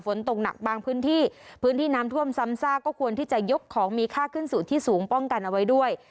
ฝนตกหนักบางพื้นที่พื้นที่น้ำท่วมซ้ำซากก็ควรที่จะยกของมีค่าขึ้นสู่ที่สูงป้องกันเอาไว้ด้วย